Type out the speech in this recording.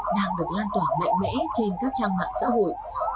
đang được lan tỏa mạnh mẽ trên các trang mạng xã hội